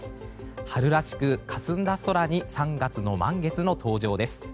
春らしくかすんだ空に３月の満月の登場です。